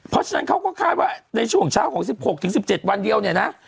เพราะฉะนั้นเขาก็คาดว่าในช่วงเช้าของ๑๖๑๗วันเดียวเนี่ยนะ